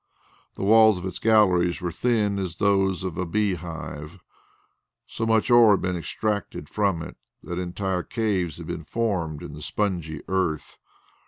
The walls of its galleries were as thin as those of a bee hive. So much ore had been extracted from it that entire caves had been formed in the spongy earth.